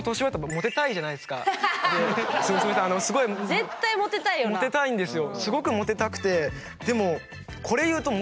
モテたいんですよ。